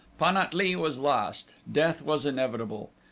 Pan at lee was lost. Death was inevitable.